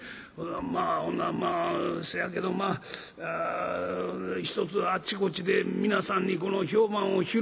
まあほなせやけどまあひとつあっちこっちで皆さんにこの評判を広めて頂く」。